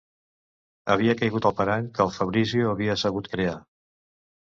Havia caigut al parany que el Fabrizio havia sabut crear.